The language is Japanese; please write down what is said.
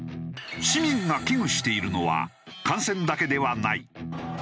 市民が危惧しているのは感染だけではない。